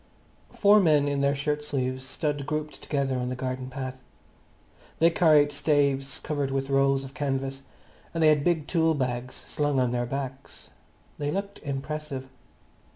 Four men in their shirt sleeves stood grouped together on the garden path. They carried staves covered with rolls of canvas, and they had big tool bags slung on their backs. They looked impressive.